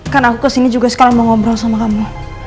kan aku kesini juga sekolah mau ngobrol sama kamu